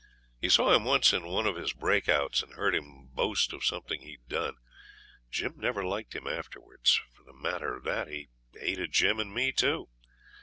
He saw him once in one of his break outs, and heard him boast of something he'd done. Jim never liked him afterwards. For the matter of that he hated Jim and me too.